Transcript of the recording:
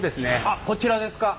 あっこちらですか？